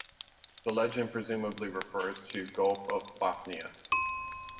The legend presumably refers to Gulf of Bothnia.